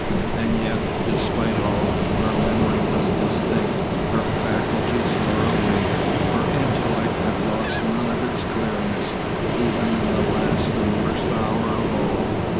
And yet, despite all, her memory was distinct, her faculties were awake, her intellect had lost none of its clearness, even in the last and worst hour of all.